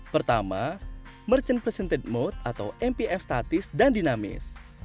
pertama merchant presented mode atau mpf statis dan dinamis